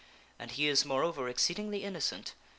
And he is, moreover, exceedingly innocent.